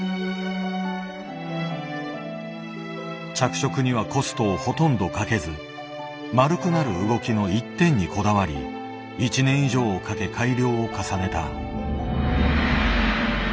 着色にはコストをほとんどかけず丸くなる動きの一点にこだわり１年以上をかけ改良を重ねた。